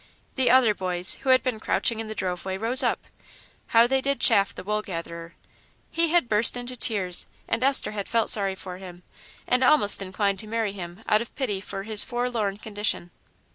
The other boys, who had been crouching in the drove way, rose up. How they did chaff the Wool gatherer! He had burst into tears and Esther had felt sorry for him, and almost inclined to marry him out of pity for his forlorn condition.